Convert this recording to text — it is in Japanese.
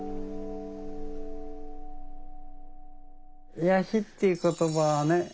癒やしっていう言葉はね